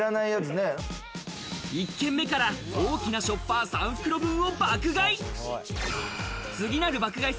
１軒目から大きなショッパー３袋分を爆買い。